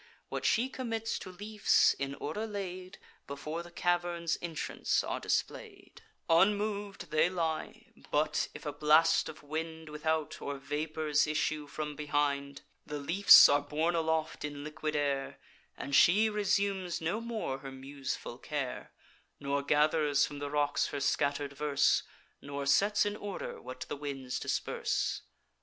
What she commits to leafs, in order laid, Before the cavern's entrance are display'd: Unmov'd they lie; but, if a blast of wind Without, or vapours issue from behind, The leafs are borne aloft in liquid air, And she resumes no more her museful care, Nor gathers from the rocks her scatter'd verse, Nor sets in order what the winds disperse.